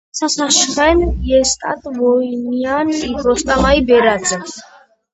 სასაშხენ – ჲესტატ ვონია̄ნ ი როსტომაჲ ბერაძე.